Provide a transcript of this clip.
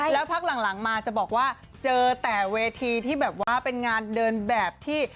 แล้วพักหลังมาจะบอกว่าเจอแต่เวทีที่แบบว่าเป็นงานเดินแบบที่